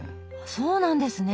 そうなんですね。